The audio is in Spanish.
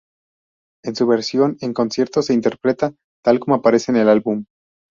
En su versión en conciertos se interpretaba tal como aparece en el álbum.